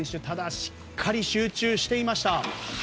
ただ、しっかり集中していました。